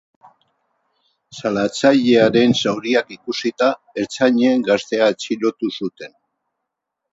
Salatzailearen zauriak ikusita ertzainek gaztea atxilotu zuten.